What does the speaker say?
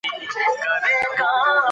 تعلیم حق دی.